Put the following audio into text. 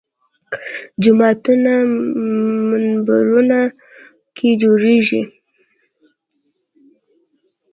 جوماتونو منبرونو کې جوړېږي